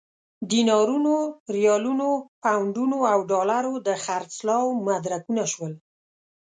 دینارونو، ریالونو، پونډونو او ډالرو د خرڅلاو مدرکونه شول.